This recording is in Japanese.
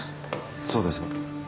そうですが。